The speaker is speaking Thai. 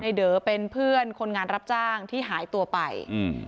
เด๋อเป็นเพื่อนคนงานรับจ้างที่หายตัวไปอืม